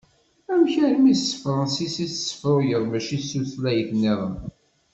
Amek armi s tefransist i tessefruyeḍ mačči s tutlayt-nniḍen?